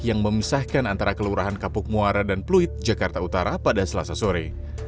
yang memisahkan antara kelurahan kapuk muara dan pluit jakarta utara pada selasa sore